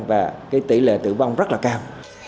và cái tỷ lệ tử vong rất là cao